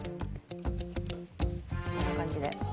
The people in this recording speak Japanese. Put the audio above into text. こんな感じで。